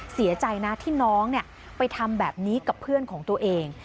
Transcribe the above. เสียใจนะที่น้องไปทำแบบนี้กับเพื่อนของตัวเอง